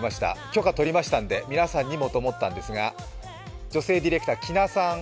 許可取りましたんで皆さんにもと思ったんですが、女性ディレクター、キナさん。